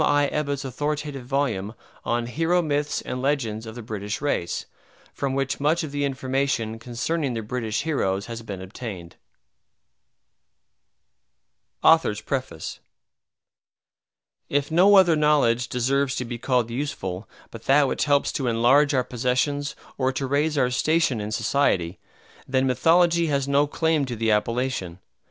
I. Ebbutt's authoritative volume on "Hero Myths and Legends of the British Race," from which much of the information concerning the British heroes has been obtained AUTHOR'S PREFACE If no other knowledge deserves to be called useful but that which helps to enlarge our possessions or to raise our station in society, then Mythology has no claim to the appellation.